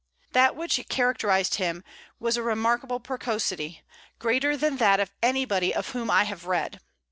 That which characterized him was a remarkable precocity, greater than that of anybody of whom I have read.